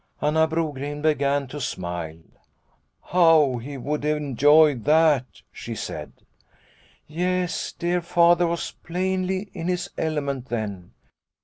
Anna Brogren began to smile. " How he would enjoy that," she said. " Yes, dear Father was plainly in his element then.